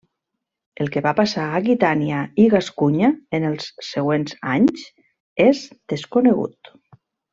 El que va passar a Aquitània i Gascunya en els següents anys, és desconegut.